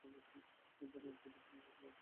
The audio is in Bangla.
এই জেলা একটি পৃথক ম্যাজিস্ট্রেটের এখতিয়ারে আসে।